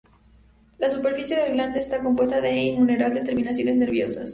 La superficie del glande está compuesto de innumerables terminaciones nerviosas.